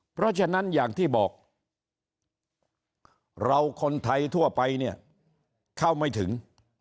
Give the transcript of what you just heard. เพราะฉะนั้นอย่างที่บอกเราคนไทยทั่วไปเนี่ยเข้าไม่ถึง